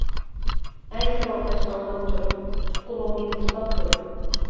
ھەي ساۋاقداش ئاڭلاپ تۇر، پۇت-قولۇڭنى رۇسلاپ تۇر.